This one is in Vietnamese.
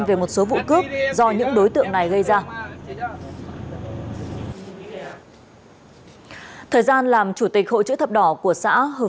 về một số vụ cướp do những đối tượng này gây ra thời gian làm chủ tịch hội chữ thập đỏ của xã hờ